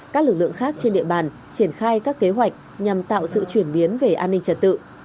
các lực lượng khác trên địa bàn triển khai các kế hoạch nhằm tạo sự chuyển biến về an ninh trật tự